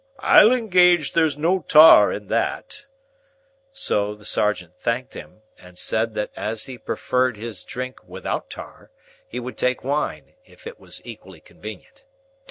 I'll engage there's no tar in that:" so, the sergeant thanked him and said that as he preferred his drink without tar, he would take wine, if it was equally convenient.